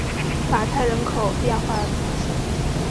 马泰人口变化图示